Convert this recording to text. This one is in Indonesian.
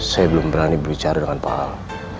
saya belum berani berbicara dengan pak ahok